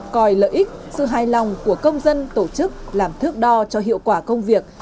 coi lợi ích sự hài lòng của công dân tổ chức làm thước đo cho hiệu quả công việc